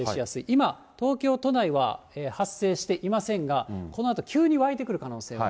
今、東京都内は発生していませんが、このあと急に湧いてくる可能性